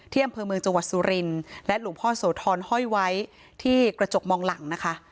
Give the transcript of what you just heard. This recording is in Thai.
เที่ยมบิมพีจังหวัดสุรินและหลุมพ่อสวทรห้อยไว้ที่กระจกมองหลังนะคะ